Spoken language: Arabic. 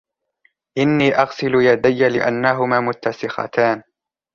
إني أغسل يدي لأنهما متسختان.